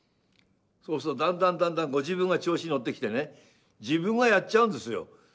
そうするとだんだんだんだんご自分が調子に乗ってきてね自分がやっちゃうんですよ。